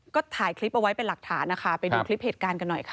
ก็ถ่ายคลิปเอาไว้เป็นหลักฐานนะคะไปดูคลิปเหตุการณ์กันหน่อยค่ะ